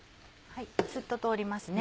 スッと通りますね。